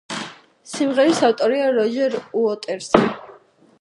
სიმღერის ავტორია როჯერ უოტერსი.